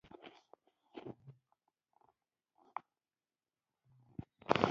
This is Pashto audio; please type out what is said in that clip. په کوڅو د کهکشان کې